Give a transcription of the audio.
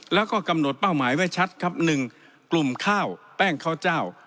แล้วก็กำหนดเป้าหมายไว้ชัดครับ๑กลุ่มข้าวแป้งข้าวเจ้า